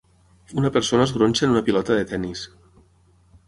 Una persona es gronxa en una pilota de tennis.